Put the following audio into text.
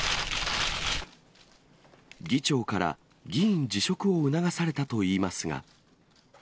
議長から議員辞職を促されたといいますが。